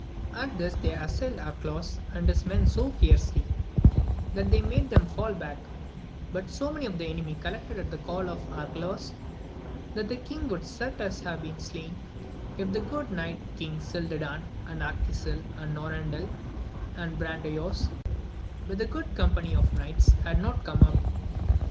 At this they assailed Arcalaus and his men so fiercely, that they made them fall back ; but so many of the enemy collected at the call of Arca laus, that the king would certes have been slain, if the good knight King Cildadan, and Arquisil, and Noran del, and Brandoyuas, with a good company of knights, had not come up.